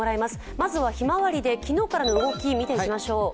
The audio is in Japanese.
まずはひまわりで昨日からの動き見ていきましょう。